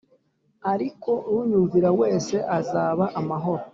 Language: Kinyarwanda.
Ariko unyumvira wese azaba amahoro